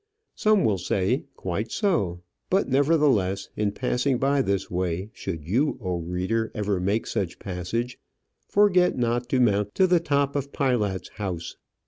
Some will say quite so. But, nevertheless, in passing by this way, should you, O reader! ever make such passage, forget not to mount to the top of Pilate's house.